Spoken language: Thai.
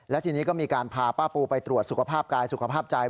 และทีนี้ก็มีการพาป้าปูไปตรวจสุขภาพกายสุขภาพใจ